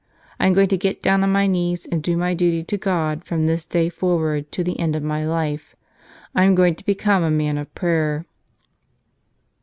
I'm going to get down on my knees and do my duty to God from this day forward to the end of my life. I'm going to become a man of prayer."